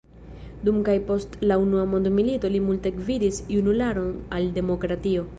Dum kaj post la unua mondmilito li multe gvidis junularon al demokratio.